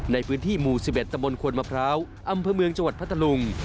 ในพื้นที่หมู่๑๑ตำบลขวนมะพร้าวอำเภอเมืองจังหวัดพัทธลุง